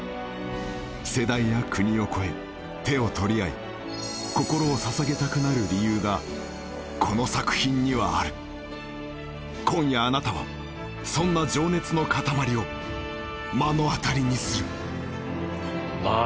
世代や国を超え手を取り合い心を捧げたくなる理由がこの作品にはある今夜あなたはそんな情熱の塊を目の当たりにするまあ